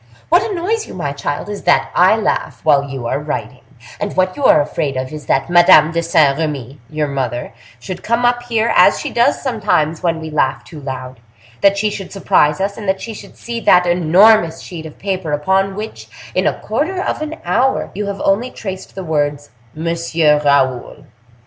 What annoys you, my child, is that I laugh while you are writing; and what you are afraid of is that Madame de Saint Remy, your mother, should come up here, as she does sometimes when we laugh too loud, that she should surprise us, and that she should see that enormous sheet of paper upon which, in a quarter of an hour, you have only traced the words Monsieur Raoul.